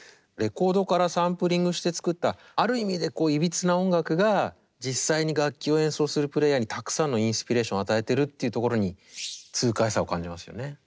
レコードからサンプリングして作ったある意味でいびつな音楽が実際に楽器を演奏するプレーヤーにたくさんのインスピレーションを与えてるっていうところに痛快さを感じますよね。